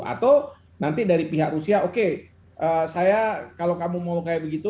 atau nanti dari pihak rusia oke saya kalau kamu mau kayak begitu